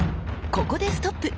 ここでストップ！